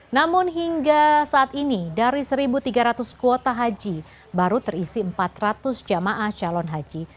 namun hingga saat ini dari satu tiga ratus kuota haji baru terisi empat ratus jamaah calon haji